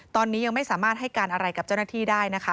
ตอนนี้ยังไม่สามารถให้การอะไรกับเจ้าหน้าที่ได้นะคะ